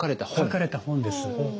書かれた本です。